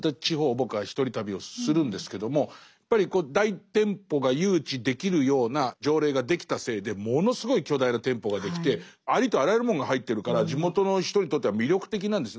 僕は一人旅をするんですけどもやっぱり大店舗が誘致できるような条例ができたせいでものすごい巨大な店舗ができてありとあらゆるもんが入ってるから地元の人にとっては魅力的なんです。